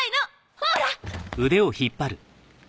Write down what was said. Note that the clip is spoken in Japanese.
ほら！